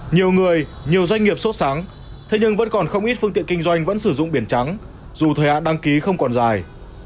nhiều người nhiều doanh nghiệp sốt sáng thế nhưng vẫn còn không ít phương tiện kinh doanh vẫn sử dụng biển trắng dù thuế đăng ký không còn dài